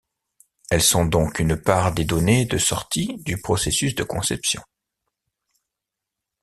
Elles sont donc une part des données de sortie du processus de conception.